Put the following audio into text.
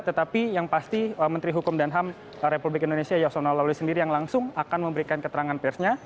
tetapi yang pasti menteri hukum dan ham republik indonesia yasona lawli sendiri yang langsung akan memberikan keterangan persnya